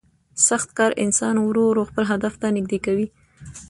سخت کار انسان ورو ورو خپل هدف ته نږدې کوي